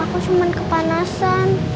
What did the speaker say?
aku cuman kepanasan